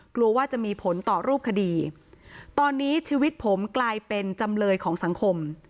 กลัวว่าจะมีผลต่อรูปคดีตอนนี้ชีวิตผมกลายเป็นจำเลยของสังคม